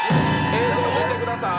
映像出てください。